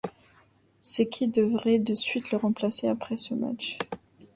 C'est qui devrait de suite le remplacer après ce match.